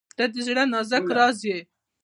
• ته د زړه نازک راز یې.